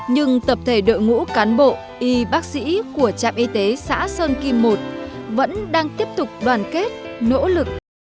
nhưng tập thể đội ngũ cán bộ y bác sĩ của trạm y tế xã sơn kim một vẫn đang tiếp tục đoàn kết nỗ lực